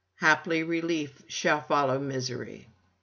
Haply relief shall follow misery.'